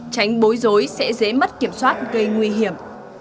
tránh bối rối sẽ dễ mất kiểm soát gây nguy hiểm